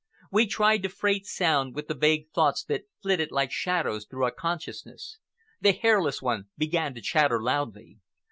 We tried to freight sound with the vague thoughts that flitted like shadows through our consciousness. The Hairless One began to chatter loudly.